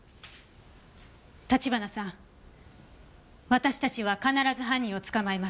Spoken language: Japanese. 私たちは必ず犯人を捕まえます。